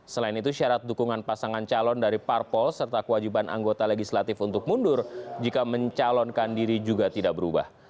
selain itu syarat dukungan pasangan calon dari parpol serta kewajiban anggota legislatif untuk mundur jika mencalonkan diri juga tidak berubah